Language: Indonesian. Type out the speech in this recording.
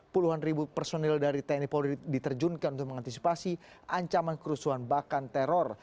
puluhan ribu personil dari tni polri diterjunkan untuk mengantisipasi ancaman kerusuhan bahkan teror